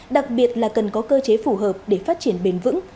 đặc biệt là cần có cơ chế phù hợp để phát triển bền vững